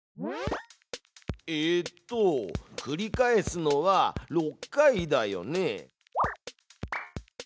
えっと繰り返すのは６回だよね。